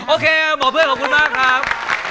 โอเคหมอเพื่อนขอบคุณมากครับ